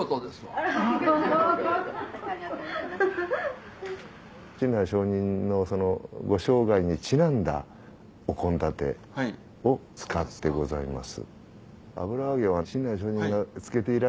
・アハハハ・親鸞聖人のご生涯にちなんだお献立を使ってございます。